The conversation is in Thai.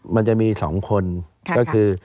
มันจะมี๒คนก็คือ